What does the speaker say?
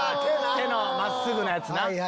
手の真っすぐなやつな。